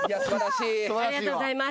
ありがとうございます。